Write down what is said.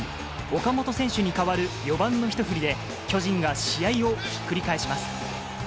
岡本選手に代わる４番の一振りで、巨人が試合をひっくり返します。